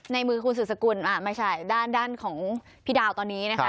ในมือคุณสุดสกุลไม่ใช่ด้านด้านของพี่ดาวตอนนี้นะคะ